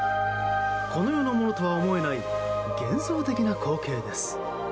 この世のものとは思えない幻想的な光景です。